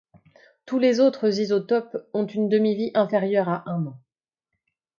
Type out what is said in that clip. Tous les autres isotopes ont une demi-vie inférieure à un an.